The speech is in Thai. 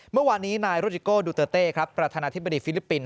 เมื่อวานนี้นายโรจิโก้ดูเตอร์เต้ครับประธานาธิบดีฟิลิปปินส